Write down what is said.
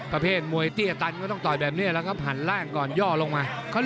ประเภทมวยเตี้ยตันก็ต้องต่อยแบบนี้แล้วครับหันล่างก่อนย่อลงมา